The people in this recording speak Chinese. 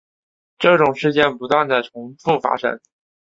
这种事件不断地重覆发生。